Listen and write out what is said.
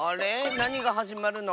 なにがはじまるの？